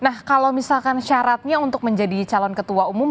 nah kalau misalkan syaratnya untuk menjadi calon ketua umum